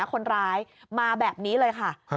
คนร้ายมาแบบนี้เลยค่ะ